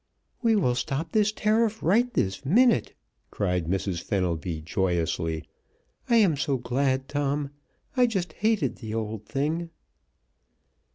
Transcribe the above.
"We will stop this tariff right this very minute!" cried Mrs. Fenelby joyously. "I am so glad, Tom. I just hated the old thing!"